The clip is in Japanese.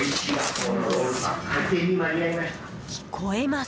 聞こえます。